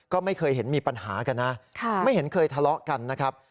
ก็ไม่เคยเห็นมีปัญหากันนะไม่เห็นเคยทะเลาะกันนะครับ